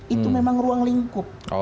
itu memang ruang lingkup